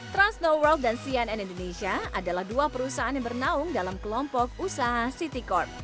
transnoworld dan cnn indonesia adalah dua perusahaan yang bernaung dalam kelompok usaha citicorp